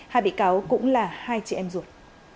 hai bị cáo cũng là hai chị em ruột